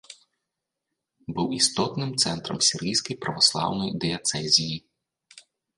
Быў істотным цэнтрам сірыйскай праваслаўнай дыяцэзіі.